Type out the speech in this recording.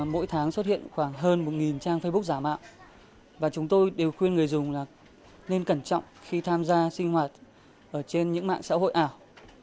mỗi tháng xuất hiện khoảng hơn một nghìn trang facebook giả mạng và chúng tôi đều khuyên người dùng nên cẩn trọng khi tham gia sinh hoạt trên những mạng xã hội ảo